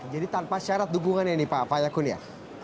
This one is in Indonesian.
jadi tanpa syarat dukungannya nih pak fayakun ya